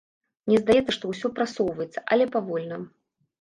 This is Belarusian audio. Мне здаецца, што ўсё прасоўваецца, але павольна.